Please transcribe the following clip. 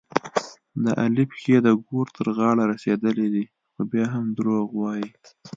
د علي پښې د ګور تر غاړې رسېدلې دي، خو بیا هم دروغ وايي.